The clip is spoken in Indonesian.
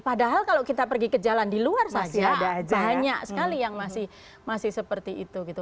padahal kalau kita pergi ke jalan di luar saja banyak sekali yang masih seperti itu gitu